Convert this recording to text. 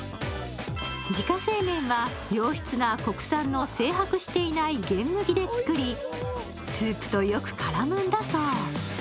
自家製麺は良質な国産の精白していない玄麦で作り、スープとよく絡むんだそう。